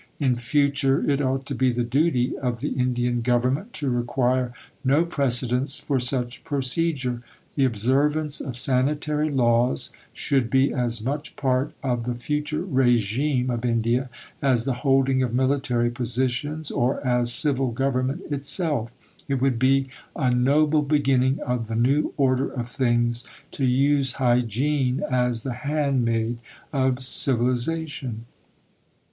In future, it ought to be the duty of the Indian Government to require no precedents for such procedure. The observance of Sanitary laws should be as much part of the future régime of India as the holding of Military positions or as Civil government itself. It would be a noble beginning of the new order of things to use hygiene as the handmaid of civilization.